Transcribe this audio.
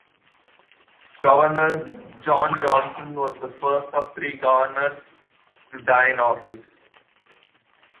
Governor John Johnson was the first of three governors to die in office.